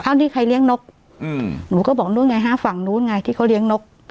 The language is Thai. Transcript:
ที่ใครเลี้ยงนกอืมหนูก็บอกนู้นไงฮะฝั่งนู้นไงที่เขาเลี้ยงนก